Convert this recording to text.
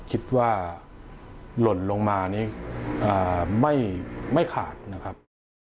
คิดว่าหล่นลงมานี่ไม่ขาดนะครับ